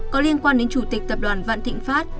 có liên quan đến chủ tịch tập đoàn vạn thịnh pháp